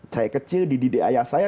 saya kecil dididik ayah saya